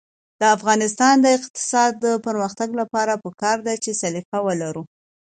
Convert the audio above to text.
د افغانستان د اقتصادي پرمختګ لپاره پکار ده چې سلیقه ولرو.